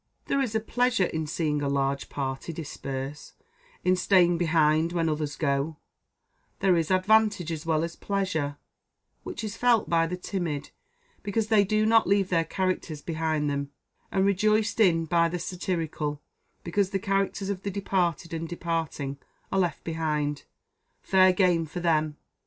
There is a pleasure in seeing a large party disperse; in staying behind when others go: there is advantage as well as pleasure, which is felt by the timid, because they do not leave their characters behind them; and rejoiced in by the satirical, because the characters of the departed and departing are left behind, fair game for them.